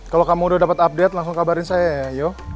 kalau kamu udah dapet update langsung kabarin saya yo